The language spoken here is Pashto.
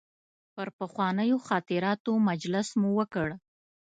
پر پخوانیو خاطراتو مجلس مو وکړ.